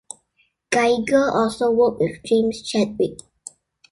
Geiger also worked with James Chadwick.